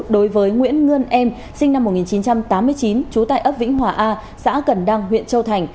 đối với nguyễn ngân em sinh năm một nghìn chín trăm tám mươi chín trú tại ấp vĩnh hòa a xã cần đăng huyện châu thành